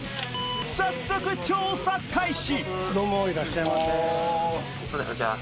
早速、調査開始。